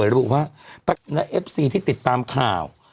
และเอฟซีที่ติดตามข่าว